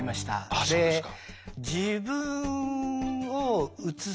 あっそうですか。